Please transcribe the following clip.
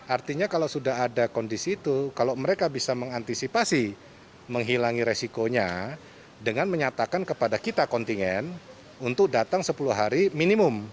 artinya kalau sudah ada kondisi itu kalau mereka bisa mengantisipasi menghilangi resikonya dengan menyatakan kepada kita kontingen untuk datang sepuluh hari minimum